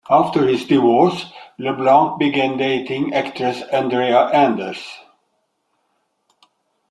After his divorce, LeBlanc began dating actress Andrea Anders.